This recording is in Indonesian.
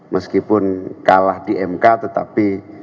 meskipun kalah di mk tetapi